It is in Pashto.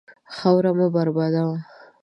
خاوره مه بربادوه.